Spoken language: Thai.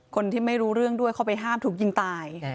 คนที่ไม่รู้เรื่องด้วยเขาไปห้ามถูกยิงตาย